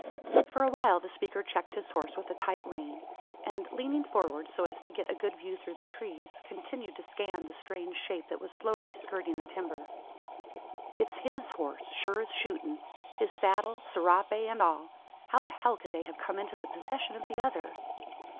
For a while the speaker checked his horse with a tight rein. And, leaning forward, so as to get a good view through the trees, continued to scan the strange shape that was slowly skirting the timber. "It's his horse sure as shootin'! His saddle, serape, and all. How the hell could they have come into the possession of the other?"